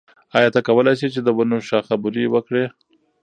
آیا ته کولای شې چې د ونو شاخه بري وکړې؟